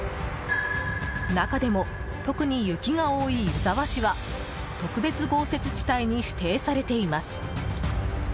中でも、特に雪が多い湯沢市は特別豪雪地帯に指定されています。